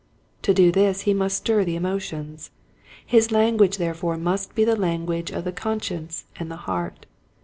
To do this he must stir the emotions. His language therefore must be the lan guage of the conscience and the heart.